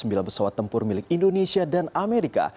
sembilan pesawat tempur milik indonesia dan amerika